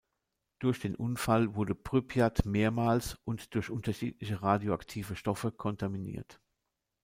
Durch den Unfall wurde Prypjat mehrmals und durch unterschiedliche radioaktive Stoffe kontaminiert.